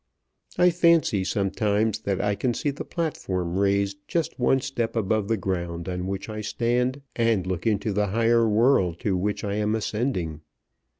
I fancy sometimes that I can see the platform raised just one step above the ground on which I stand, and look into the higher world to which I am ascending.